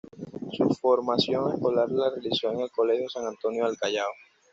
Su formación escolar la realizó en el Colegio San Antonio del Callao.